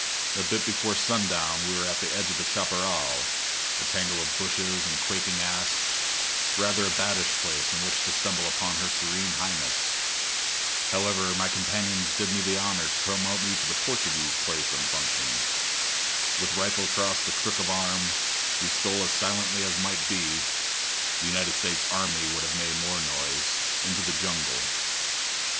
A bit before sundown we were at the edge of the chaparral a tangle of bushes and quaking asp rather a baddish place in which to stumble upon her serene highness. However, my companions did me the honor to promote me to the "Portugee's" place and function. With rifle across the crook of arm, we stole as silently as might be the United States army would have made more noise into the jungle.